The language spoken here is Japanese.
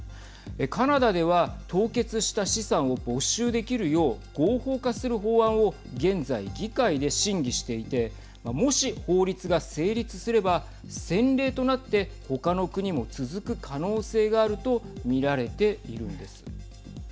カナダでは、凍結した資産を没収できるよう合法化する法案を現在、議会で審議していてもし、法律が成立すれば先例となってほかの国も続く可能性があるとみられているんです。